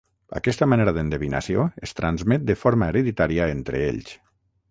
Aquesta manera d'endevinació es transmet de forma hereditària entre ells.